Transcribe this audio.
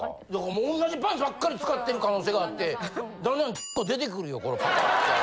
もう同じパンツばっかり使ってる可能性があって段々○※△出てくるよこのパカッて。